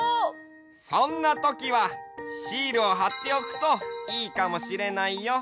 そんなときはシールをはっておくといいかもしれないよ。